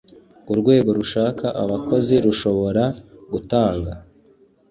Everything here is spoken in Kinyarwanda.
Urwego rushaka abakozi rushobora gutanga